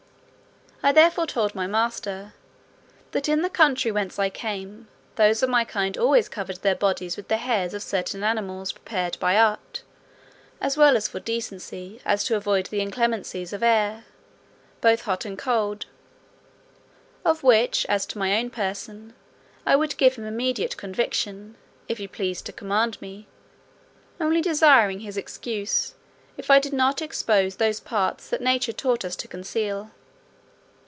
I therefore told my master, "that in the country whence I came, those of my kind always covered their bodies with the hairs of certain animals prepared by art, as well for decency as to avoid the inclemencies of air, both hot and cold; of which, as to my own person, I would give him immediate conviction, if he pleased to command me: only desiring his excuse, if I did not expose those parts that nature taught us to conceal."